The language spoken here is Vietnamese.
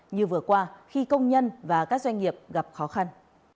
như vừa qua khi công nhân và các doanh nghiệp gặp khó khăn